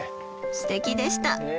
すてきでした。